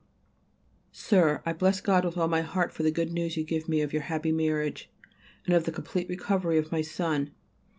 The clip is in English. _ SIR, I bless God with all my heart for the good news you give me of your happy marriage and of the complete recovery of my son.